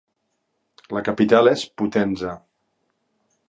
La capital és Potenza.